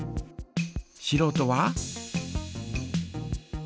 しろうとは？